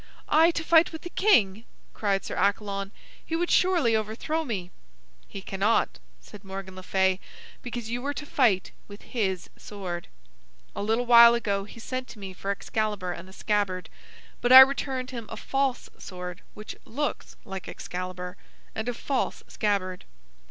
"I to fight with the king!" cried Sir Accalon. "He would surely overthrow me." "He cannot," said Morgan le Fay, "because you are to fight with his sword. A little while ago he sent to me for Excalibur and the scabbard, but I returned him a false sword which looks like Excalibur, and a false scabbard.